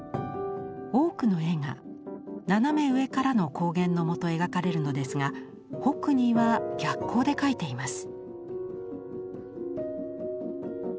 多くの絵が斜め上からの光源のもと描かれるのですがホックニーは逆光で描いています。